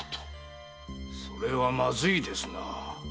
それはまずいですな。